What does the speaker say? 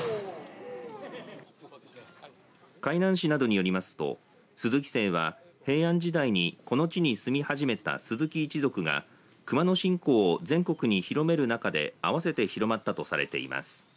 海南市などによりますと鈴木姓は平安時代にこの地に住み始めた鈴木一族が熊野信仰を全国に広める中であわせて広まったとされています。